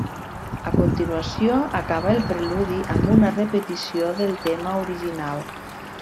A continuació acaba el preludi amb una repetició del tema original.